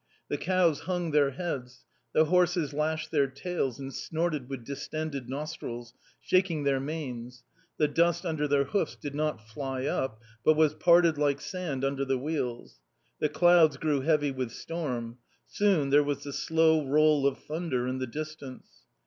The cows hung their heads ; the horses lashed their tails and snorted with dis tended nostrils, shaking their manes : the dust under their hoofs did not fly up, but was parted like sand under the wheels. The clouds grew heavy with storm. Soon there v was the slow roll of thunder in the distance.